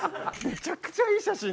めちゃくちゃいい写真！